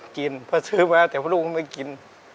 กินเพราะซื้อมาแต่ลูกมันไม่กิน